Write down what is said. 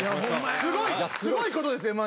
すごい！すごいことです